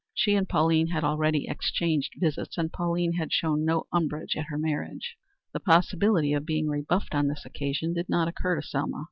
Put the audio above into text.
She and Pauline had already exchanged visits, and Pauline had shown no umbrage at her marriage. The possibility of being rebuffed on this occasion did not occur to Selma.